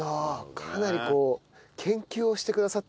かなりこう研究をしてくださってるんですね。